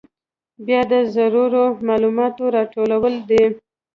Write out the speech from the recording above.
بیا د ضروري معلوماتو راټولول دي.